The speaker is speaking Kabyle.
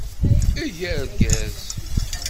Eg argaz!